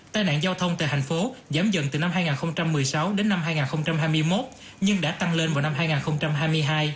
tai nạn giao thông tại thành phố giảm dần từ năm hai nghìn một mươi sáu đến năm hai nghìn hai mươi một nhưng đã tăng lên vào năm hai nghìn hai mươi hai